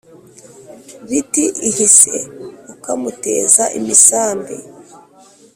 Biti ihi se, ukamuteza imisambi